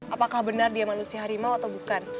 apakah benar dia manusia harimau atau bukan